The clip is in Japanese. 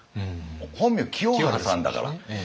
本名清張さんだから。